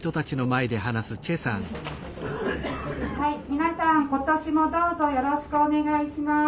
皆さん今年もどうぞよろしくお願いします。